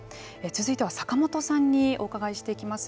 続いては坂本さんにお伺いしていきます。